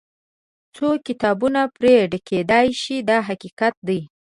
څو کتابونه پرې ډکېدای شي دا حقیقت دی.